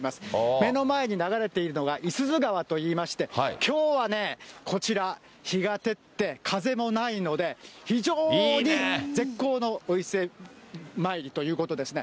目の前に流れているのが五十鈴川といいまして、きょうはね、こちら、日が照って風もないので、非常に絶好のお伊勢参りということですね。